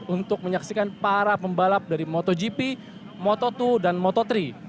untuk menyaksikan para pembalap dari motogp moto dua dan moto tiga